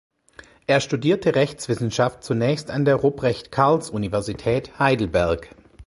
Er studierte Rechtswissenschaft zunächst an der Ruprecht-Karls-Universität Heidelberg.